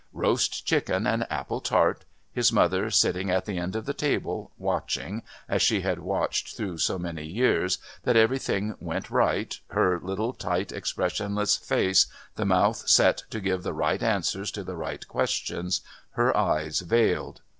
Roast chicken and apple tart; his mother sitting at the end of the table, watching, as she had watched through so many years, that everything went right, her little, tight, expressionless face, the mouth set to give the right answers to the right questions, her eyes veiled....